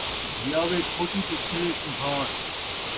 ویاوے کھوتی تے کھلے کمبھار